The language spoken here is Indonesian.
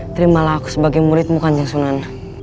terimalah aku sebagai muridmu kanyang sunan